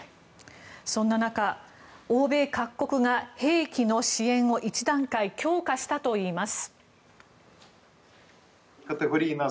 そんな中、欧米各国が兵器の支援を一段階強化したといいます。